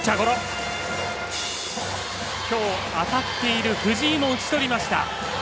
きょう当たっている藤井も打ち取りました。